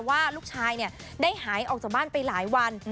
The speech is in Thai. ว่าลูกชายได้หายออกจากบ้านไปหลายวัน